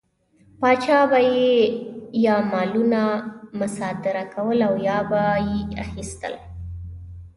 پاچا به یې یا مالونه مصادره کول او یا به یې اخیستل.